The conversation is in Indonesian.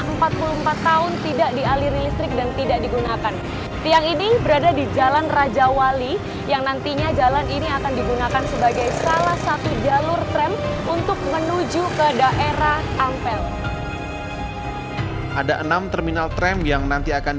meski demikian sejumlah warga surabaya justru tidak setuju dengan tram